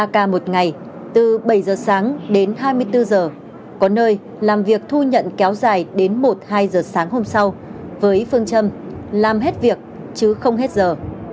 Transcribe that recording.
ba k một ngày từ bảy giờ sáng đến hai mươi bốn giờ có nơi làm việc thu nhận kéo dài đến một hai giờ sáng hôm sau với phương châm làm hết việc chứ không hết giờ